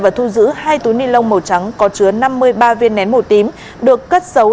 và thu giữ hai túi ni lông màu trắng có chứa năm mươi ba viên nén màu tím được cất giấu